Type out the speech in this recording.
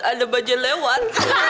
ada baju lewat